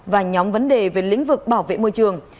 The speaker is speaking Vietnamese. và nhóm vấn đề về lĩnh vực bảo vệ môi trường